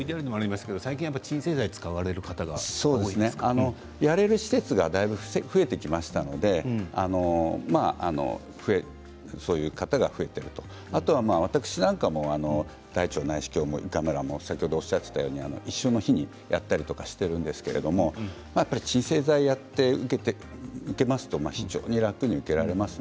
最近は鎮静剤を使われる方がやれる施設がだいぶ増えてきましたのでそういう方が増えているとあとは私なんかは大腸内視鏡も胃カメラも先ほどおっしゃっていたように一緒の日にやったりとかしているんですけどやっぱり鎮静剤を受けますと非常に楽に受けられます。